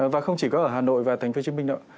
và không chỉ có ở hà nội và tp hcm